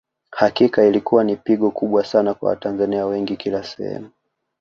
Hakika ilikuwa ni pigo kubwa Sana kwa Watanzania wengi kila sehemu